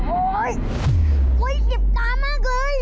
โอ๊ยกุ้ยเก็บตามากเลย